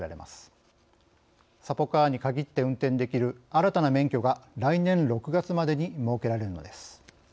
サポカーに限って運転できる新たな免許が来年６月までに設けられるのです。